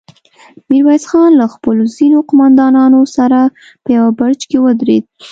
ميرويس خان له خپلو ځينو قوماندانانو سره په يوه برج کې ودرېد.